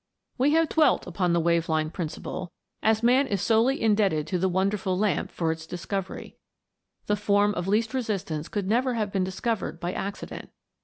We have dwelt upon the wave line principle, as 318 THE WONDERFUL LAMP. man is solely indebted to the wonderful lamp for its discovery. The form of least resistance could never have been discovered by accident.